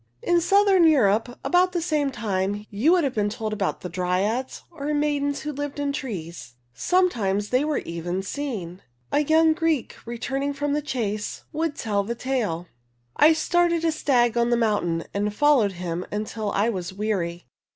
In southern Europe about the same time, you would have been told about the Dryads, or maidens who lived in trees. Sometimes they were even seen. A young Greek returning from the chase would tell the tale: " I started a stag on the mountain and followed him until I was weary.